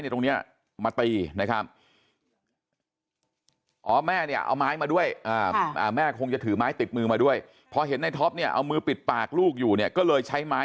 ตรงนี้มาตีนะครับอ๋อแม่เนี่ยเอาไม้มาด้วยแม่คงจะถือไม้ติดมือมาด้วยพอเห็นในท็อปเนี่ยเอามือปิดปากลูกอยู่เนี่ยก็เลยใช้ไม้